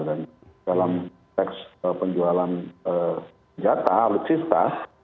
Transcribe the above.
dan dalam konteks penjualan senjata alutsista